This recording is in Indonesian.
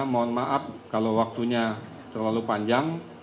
mohon maaf kalau waktunya terlalu panjang